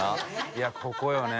いやここよね。